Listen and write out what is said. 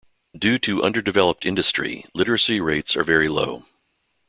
Due to underdeveloped industry, literacy rates are very low.